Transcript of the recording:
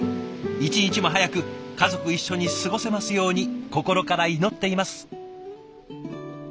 一日も早く家族一緒に過ごせますように心から祈っています。